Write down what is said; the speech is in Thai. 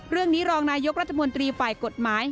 เรื่องนี้รองนายกรัฐมนตรีฝ่ายกฎหมาย